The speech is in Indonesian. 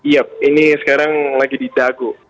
iya ini sekarang lagi di dago